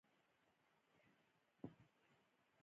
سیاسي واکداران داسې بنسټونه غواړي چې په ګټه یې وي.